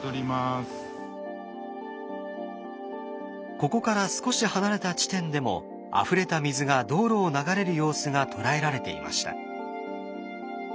ここから少し離れた地点でもあふれた水が道路を流れる様子が捉えられていました。